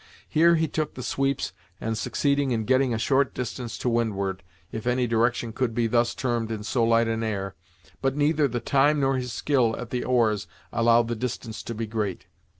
Here he took the sweeps and succeeded in getting a short distance to windward, if any direction could be thus termed in so light an air, but neither the time, nor his skill at the oars, allowed the distance to be great.